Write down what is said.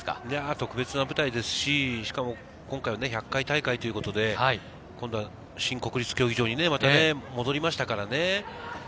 特別な舞台ですし、今回は１００回大会ということで、新国立競技場にまた戻りましたからね。